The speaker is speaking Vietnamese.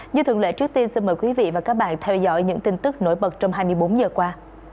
như thường lệ trước tiên xin mời quý vị và các bạn theo dõi những tin tức nổi bật trong hai mươi bốn giờ qua